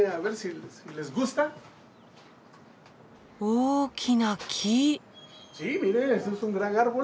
大きな木！